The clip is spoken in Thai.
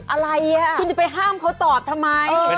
อะไรคุณจะไปห้ามเขาตอบทำไม